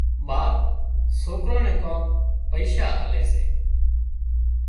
ٻاپ سوڪران نين ڪانڪ پئشا آلي سي